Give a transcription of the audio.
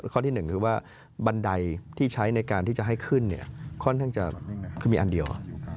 ข้อที่๑คือว่าบันไดที่ใช้ในการที่จะให้ขึ้นเนี่ยค่อนข้างจะคือมีอันเดียว